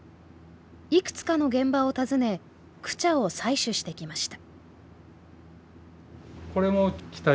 いくつかの現場を訪ねクチャを採取してきました